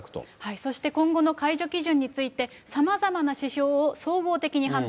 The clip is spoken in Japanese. そして今後の解除基準について、さまざまな指標を総合的に判断。